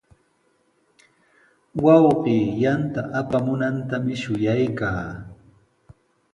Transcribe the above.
Wawqii yanta apamunantami shuyaykaa.